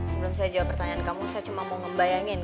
sebelum saya jawab pertanyaan kamu saya cuma mau ngembayangin